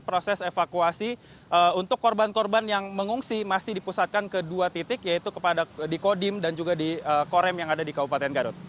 proses evakuasi untuk korban korban yang mengungsi masih dipusatkan ke dua titik yaitu kepada di kodim dan juga di korem yang ada di kabupaten garut